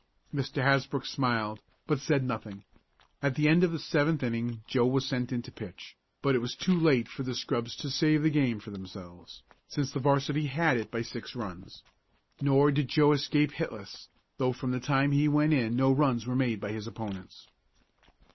Mr. Hasbrook smiled, but said nothing. At the end of the seventh inning Joe was sent in to pitch, but it was too late for the scrubs to save the game for themselves, since the 'varsity had it by six runs. Nor did Joe escape hitless, though from the time he went in no runs were made by his opponents.